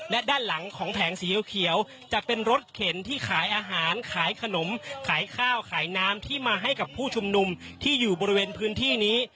และด้านหลังของแผงสีเขียวจะเป็นรถเข็นที่ขายอาหารขายขนมขายข้าวขายน้ำที่มาให้กับผู้ชุมนุมที่อยู่บริเวณพื้นที่นี้